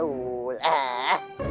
semalam baru bahasa daul